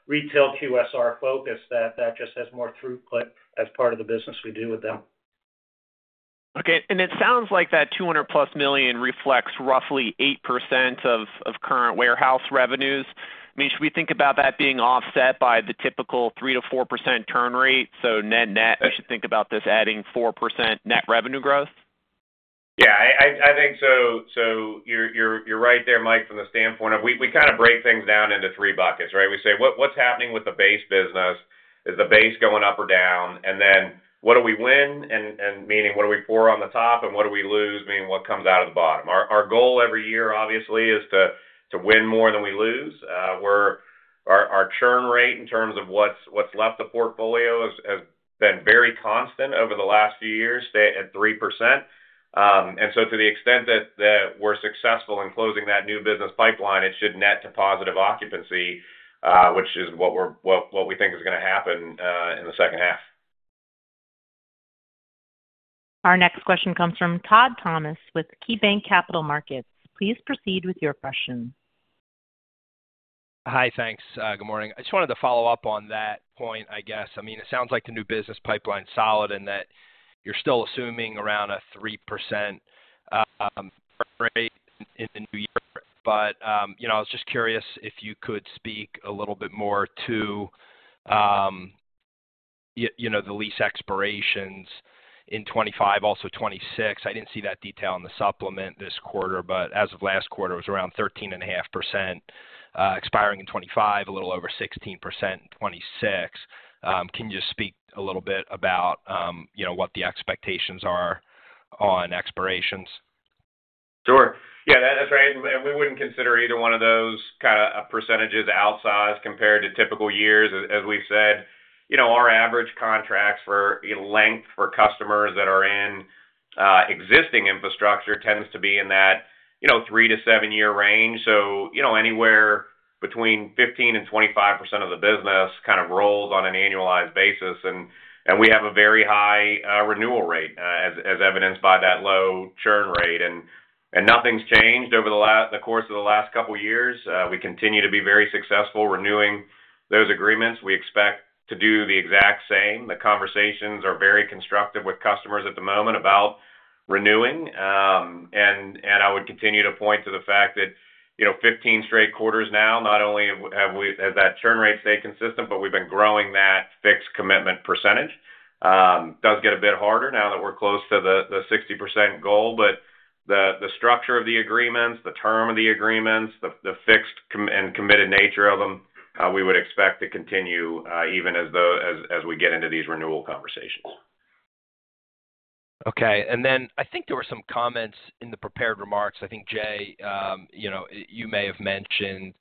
retail to us, our focus that just has more throughput as part of the business we do with them. Okay. And it sounds like that $200-plus million reflects roughly 8% of current warehouse revenues. I mean, should we think about that being offset by the typical 3 to 4% churn rate? So net net, we should think about this adding 4% net revenue growth? Yeah. I think so. So you're right there, Mike, from the standpoint of we kind of break things down into three buckets, right? We say, "What's happening with the base business? Is the base going up or down?" And then what do we win? And meaning, what do we pour on the top? And what do we lose? Meaning, what comes out of the bottom? Our goal every year, obviously, is to win more than we lose. Our churn rate in terms of what's left the portfolio has been very constant over the last few years, staying at 3%. And so to the extent that we're successful in closing that new business pipeline, it should net to positive occupancy, which is what we think is going to happen in the second half. Our next question comes from Todd Thomas with KeyBanc Capital Markets. Please proceed with your question. Hi, thanks. Good morning. I just wanted to follow up on that point, I guess. I mean, it sounds like the new business pipeline is solid and that you're still assuming around a 3% churn rate in the new year. But I was just curious if you could speak a little bit more to the lease expirations in 2025, also 2026.I didn't see that detail in the supplement this quarter, but as of last quarter, it was around 13.5% expiring in 2025, a little over 16% in 2026. Can you just speak a little bit about what the expectations are on expirations? Sure. Yeah, that's right. And we wouldn't consider either one of those kind of percentages outsized compared to typical years. As we said, our average contracts for length for customers that are in existing infrastructure tends to be in that three to seven-year range. So anywhere between 15%-25% of the business kind of rolls on an annualized basis. And we have a very high renewal rate, as evidenced by that low churn rate. And nothing's changed over the course of the last couple of years. We continue to be very successful renewing those agreements. We expect to do the exact same. The conversations are very constructive with customers at the moment about renewing, and I would continue to point to the fact that 15 straight quarters now, not only has that churn rate stayed consistent, but we've been growing that fixed commitment percentage. It does get a bit harder now that we're close to the 60% goal. But the structure of the agreements, the term of the agreements, the fixed and committed nature of them, we would expect to continue even as we get into these renewal conversations. Okay, and then I think there were some comments in the prepared remarks. I think, Jay, you may have made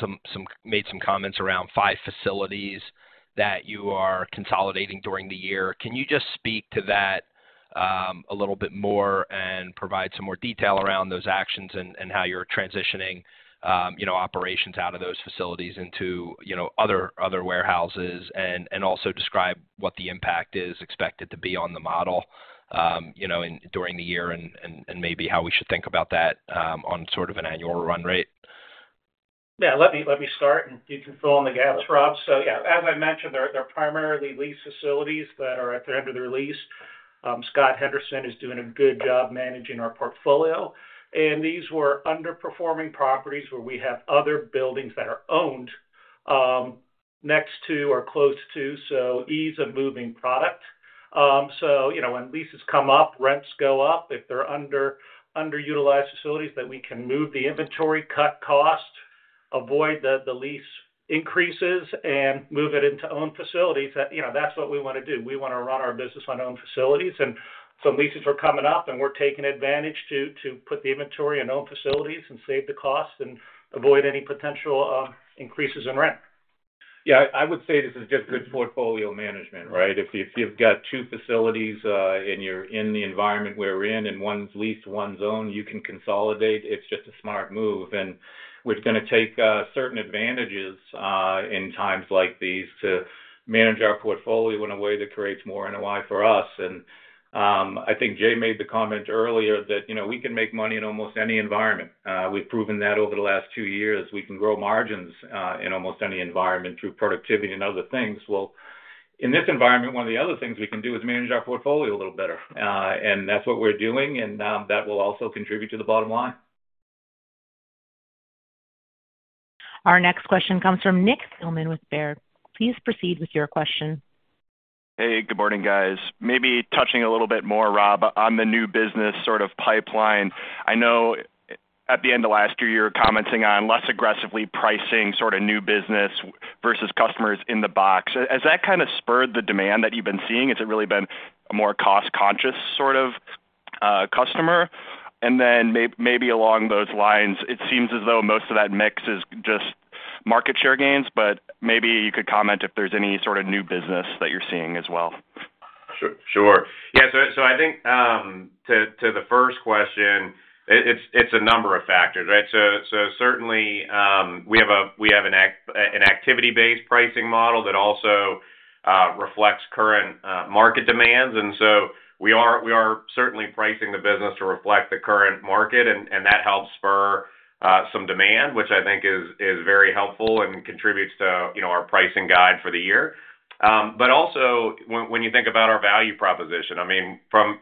some comments around five facilities that you are consolidating during the year. Can you just speak to that a little bit more and provide some more detail around those actions and how you're transitioning operations out of those facilities into other warehouses and also describe what the impact is expected to be on the model during the year and maybe how we should think about that on sort of an annual run rate? Yeah. Let me start, and you can fill in the gaps, Rob. So yeah, as I mentioned, they're primarily leased facilities that are at the end of their lease. Scott Henderson is doing a good job managing our portfolio. And these were underperforming properties where we have other buildings that are owned next to or close to, so ease of moving product. So when leases come up, rents go up. If there are underutilized facilities that we can move the inventory, cut costs, avoid the lease increases, and move it into owned facilities. That's what we want to do. We want to run our business on owned facilities. And some leases are coming up, and we're taking advantage to put the inventory in owned facilities and save the cost and avoid any potential increases in rent. Yeah. I would say this is just good portfolio management, right? If you've got two facilities in the environment we're in and one's leased and one's own, you can consolidate. It's just a smart move. And we're going to take certain advantages in times like these to manage our portfolio in a way that creates more NOI for us. And I think Jay made the comment earlier that we can make money in almost any environment. We've proven that over the last two years. We can grow margins in almost any environment through productivity and other things. Well, in this environment, one of the other things we can do is manage our portfolio a little better. And that's what we're doing, and that will also contribute to the bottom line. Our next question comes from Nick Thillman with Baird. Please proceed with your question. Hey, good morning, guys. Maybe touching a little bit more, Rob, on the new business sort of pipeline. I know at the end of last year, you were commenting on less aggressively pricing sort of new business versus customers in the box. Has that kind of spurred the demand that you've been seeing? Has it really been a more cost-conscious sort of customer? And then maybe along those lines, it seems as though most of that mix is just market share gains, but maybe you could comment if there's any sort of new business that you're seeing as well. Sure. Sure. Yeah. So I think to the first question, it's a number of factors, right? So certainly, we have an activity-based pricing model that also reflects current market demands. And so we are certainly pricing the business to reflect the current market, and that helps spur some demand, which I think is very helpful and contributes to our pricing guide for the year. But also, when you think about our value proposition, I mean, from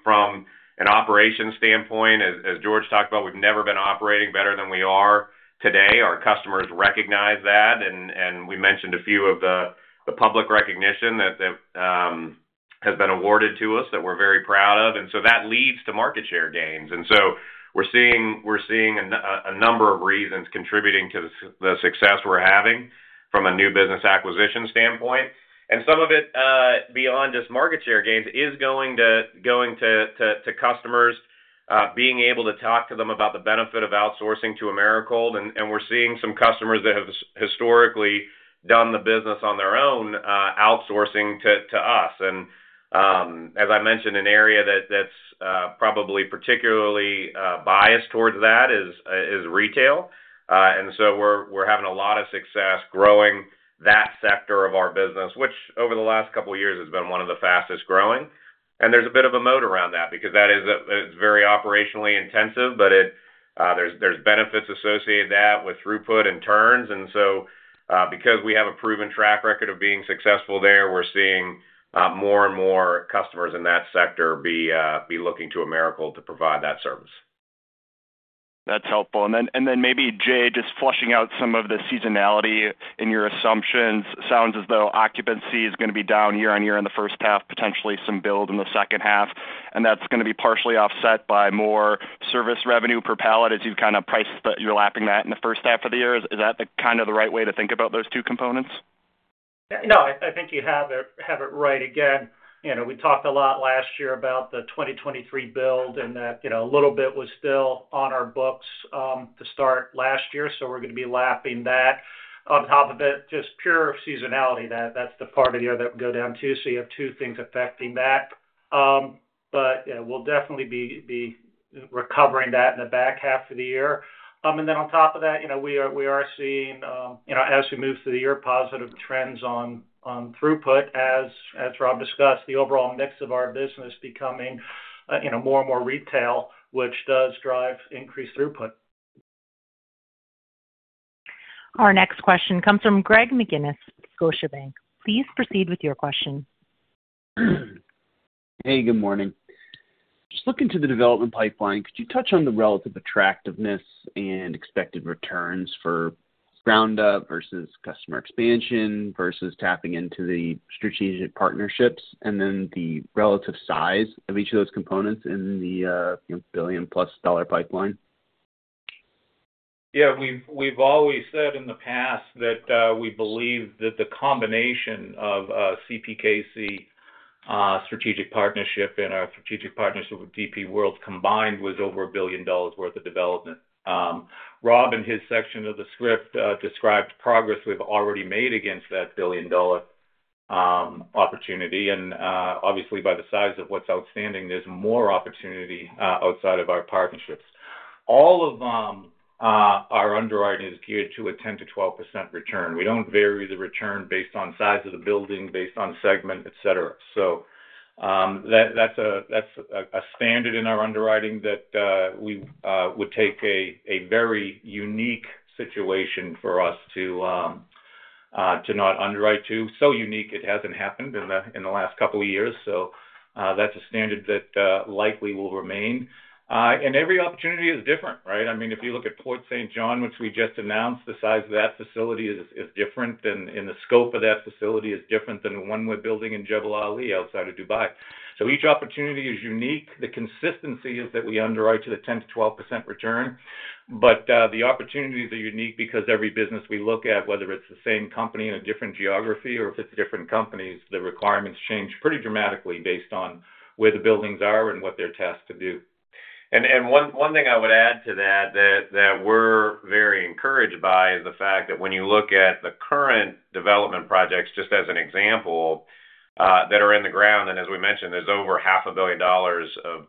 an operation standpoint, as George talked about, we've never been operating better than we are today. Our customers recognize that, and we mentioned a few of the public recognition that has been awarded to us that we're very proud of. And so that leads to market share gains. And so we're seeing a number of reasons contributing to the success we're having from a new business acquisition standpoint. And some of it beyond just market share gains is going to customers being able to talk to them about the benefit of outsourcing to Americold. And we're seeing some customers that have historically done the business on their own outsourcing to us. And as I mentioned, an area that's probably particularly biased towards that is retail. And so we're having a lot of success growing that sector of our business, which over the last couple of years has been one of the fastest growing. And there's a bit of a moat around that because it's very operationally intensive, but there's benefits associated with throughput and turns. And so because we have a proven track record of being successful there, we're seeing more and more customers in that sector be looking to Americold to provide that service. That's helpful. And then maybe, Jay, just flushing out some of the seasonality in your assumptions. Sounds as though occupancy is going to be down year on year in the first half, potentially some build in the second half. And that's going to be partially offset by more service revenue per pallet as you've kind of priced that you're lapping that in the first half of the year. Is that kind of the right way to think about those two components? No, I think you have it right. Again, we talked a lot last year about the 2023 build and that a little bit was still on our books to start last year. So we're going to be lapping that. On top of it, just pure seasonality, that's the part of the year that would go down too. So you have two things affecting that. But we'll definitely be recovering that in the back half of the year. And then on top of that, we are seeing, as we move through the year, positive trends on throughput, as Rob discussed, the overall mix of our business becoming more and more retail, which does drive increased throughput. Our next question comes from Greg McGinniss, Scotiabank. Please proceed with your question. Hey, good morning. Just looking to the development pipeline, could you touch on the relative attractiveness and expected returns for ground-up versus customer expansion versus tapping into the strategic partnerships and then the relative size of each of those components in the $1 billion-plus pipeline? Yeah. We've always said in the past that we believe that the combination of CPKC strategic partnership and our strategic partnership with DP World combined was over $1 billion worth of development. Rob and his section of the script described progress we've already made against that $1 billion opportunity. And obviously, by the size of what's outstanding, there's more opportunity outside of our partnerships. All of our underwriting is geared to a 10%-12% return. We don't vary the return based on size of the building, based on segment, etc. So that's a standard in our underwriting that we would take a very unique situation for us to not underwrite to. So unique, it hasn't happened in the last couple of years. So that's a standard that likely will remain. And every opportunity is different, right? I mean, if you look at Port Saint John, which we just announced, the size of that facility is different and the scope of that facility is different than the one we're building in Jebel Ali outside of Dubai. So each opportunity is unique. The consistency is that we underwrite to the 10%-12% return. But the opportunities are unique because every business we look at, whether it's the same company in a different geography or if it's different companies, the requirements change pretty dramatically based on where the buildings are and what they're tasked to do. One thing I would add to that that we're very encouraged by is the fact that when you look at the current development projects, just as an example, that are in the ground, and as we mentioned, there's over $500 million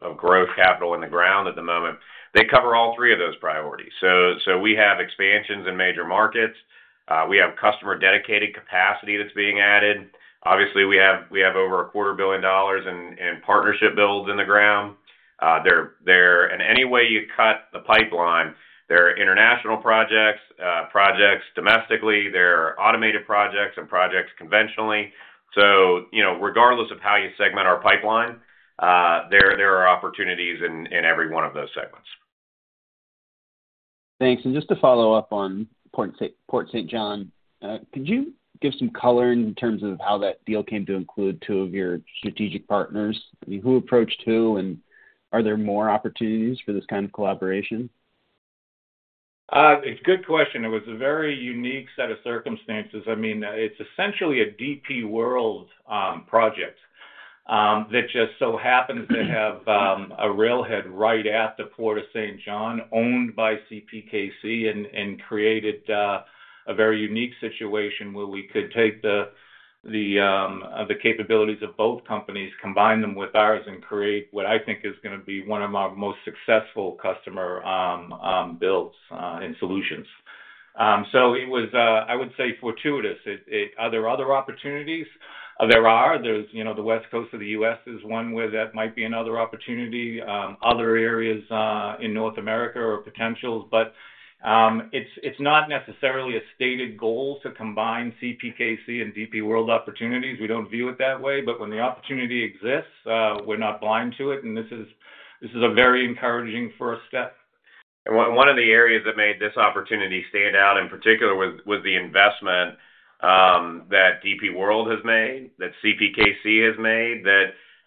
of growth capital in the ground at the moment. They cover all three of those priorities. So we have expansions in major markets. We have customer-dedicated capacity that's being added. Obviously, we have over $250 million in partnership builds in the ground. And any way you cut the pipeline, there are international projects, projects domestically, there are automated projects, and projects conventionally. So regardless of how you segment our pipeline, there are opportunities in every one of those segments. Thanks. And just to follow up on Port Saint John. Could you give some color in terms of how that deal came to include two of your strategic partners? I mean, who approached who? And are there more opportunities for this kind of collaboration? It's a good question. It was a very unique set of circumstances. I mean, it's essentially a DP World project that just so happens to have a railhead right at the Port Saint John owned by CPKC and created a very unique situation where we could take the capabilities of both companies, combine them with ours, and create what I think is going to be one of our most successful customer builds and solutions. So it was, I would say, fortuitous. Are there other opportunities? There are. The West Coast of the U.S. is one where that might be another opportunity. Other areas in North America are potentials. But it's not necessarily a stated goal to combine CPKC and DP World opportunities. We don't view it that way. But when the opportunity exists, we're not blind to it. And this is a very encouraging first step. And one of the areas that made this opportunity stand out in particular was the investment that DP World has made, that CPKC has made, that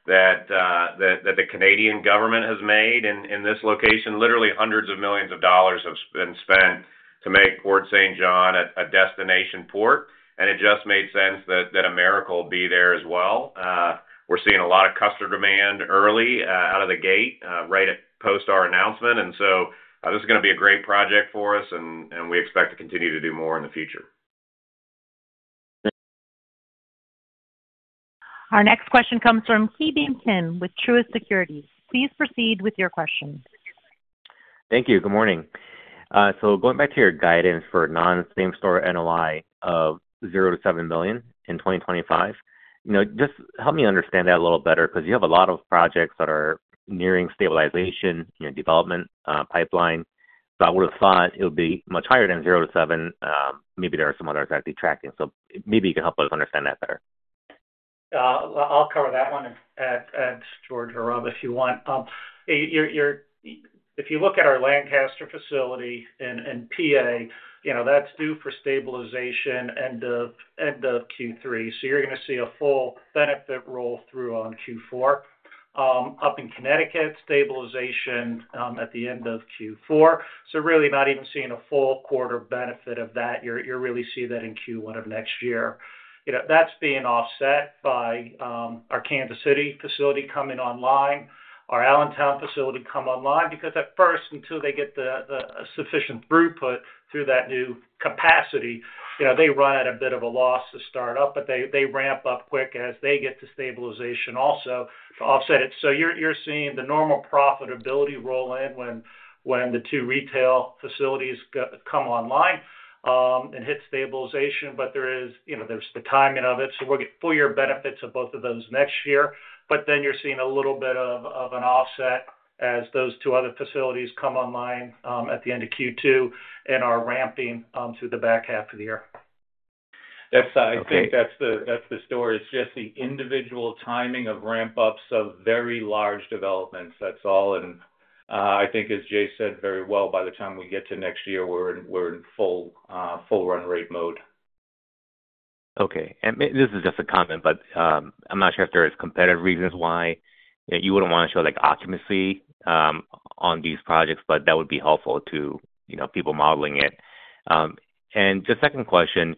the Canadian government has made in this location. Literally, hundreds of millions of dollars have been spent to make Port Saint John a destination port. And it just made sense that Americold be there as well. We're seeing a lot of customer demand early out of the gate, right post our announcement. And so this is going to be a great project for us, and we expect to continue to do more in the future. Our next question comes from Ki Bin Kim with Truist Securities. Please proceed with your question. Thank you. Good morning. So going back to your guidance for non-Same-Store NOI of $0-$7 million in 2025, just help me understand that a little better because you have a lot of projects that are nearing stabilization, development pipeline. So I would have thought it would be much higher than $0-$7. Maybe there are some others that are detracting. So maybe you can help us understand that better. I'll cover that one and ask George or Rob if you want. If you look at our Lancaster facility in PA, that's due for stabilization end of Q3. So you're going to see a full benefit roll through on Q4. Up in Connecticut, stabilization at the end of Q4. So really not even seeing a full quarter benefit of that. You're really seeing that in Q1 of next year. That's being offset by our Kansas City facility coming online, our Allentown facility coming online. Because at first, until they get the sufficient throughput through that new capacity, they run at a bit of a loss to start up, but they ramp up quick as they get to stabilization also to offset it. So you're seeing the normal profitability roll in when the two retail facilities come online and hit stabilization. But there's the timing of it. So we'll get full year benefits of both of those next year. But then you're seeing a little bit of an offset as those two other facilities come online at the end of Q2 and are ramping through the back half of the year. I think that's the story. It's just the individual timing of ramp-ups of very large developments. That's all.I think, as Jay said very well, by the time we get to next year, we're in full run rate mode. Okay. This is just a comment, but I'm not sure if there are competitive reasons why you wouldn't want to show occupancy on these projects, but that would be helpful to people modeling it. The second question,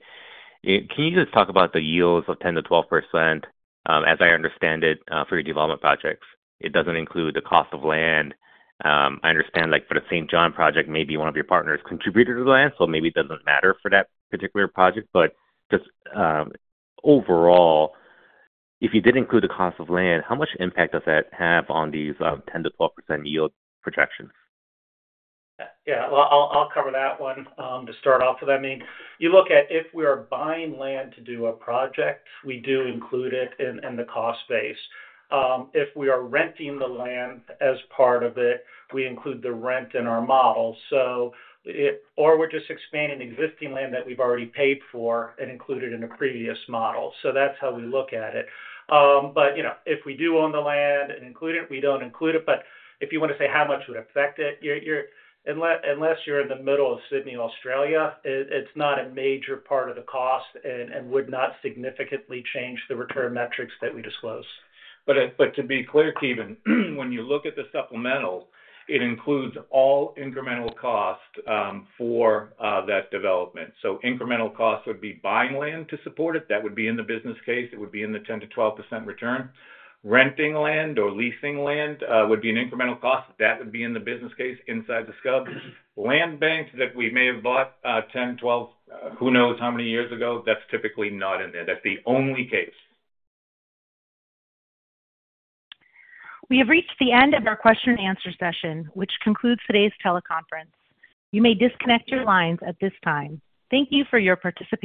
can you just talk about the yields of 10%-12% as I understand it for your development projects? It doesn't include the cost of land. I understand for the Saint John project, maybe one of your partners contributed to the land, so maybe it doesn't matter for that particular project. But just overall, if you did include the cost of land, how much impact does that have on these 10%-12% yield projections? Yeah. I'll cover that one to start off with. I mean, you look at if we are buying land to do a project, we do include it in the cost base. If we are renting the land as part of it, we include the rent in our model. Or we're just expanding existing land that we've already paid for and included in a previous model. So that's how we look at it. But if we do own the land and include it, we don't include it. But if you want to say how much would affect it, unless you're in the middle of Sydney, Australia, it's not a major part of the cost and would not significantly change the return metrics that we disclose. But to be clear, Kevin, when you look at the supplemental, it includes all incremental costs for that development. So incremental costs would be buying land to support it. That would be in the business case. It would be in the 10%-12% return. Renting land or leasing land would be an incremental cost. That would be in the business case inside the cube. Land banks that we may have bought 10, 12, who knows how many years ago, that's typically not in there. That's the only case. We have reached the end of our question-and-answer session, which concludes today's teleconference. You may disconnect your lines at this time. Thank you for your participation.